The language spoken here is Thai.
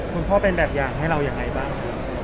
คุณพ่อเป็นแบบอย่างให้เรายังไงบ้าง